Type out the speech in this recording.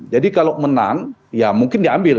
jadi kalau menang ya mungkin diambil